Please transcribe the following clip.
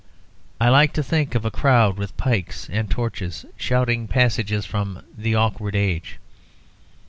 I like to think of a crowd with pikes and torches shouting passages from "The Awkward Age."